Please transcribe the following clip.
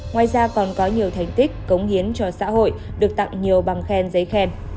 ngoài ra còn có nhiều thành tích cống hiến cho xã hội được tặng nhiều bằng khen giấy khen